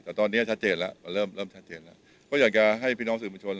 แต่ตอนนี้ชัดเจนแล้วมันเริ่มเริ่มชัดเจนแล้วก็อยากจะให้พี่น้องสื่อบัญชน